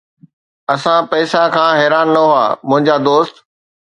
اسان پئسا کان حيران نه هئا، منهنجا دوست